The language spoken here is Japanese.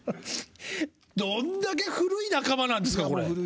どんだけ古い仲間なんですかこれ。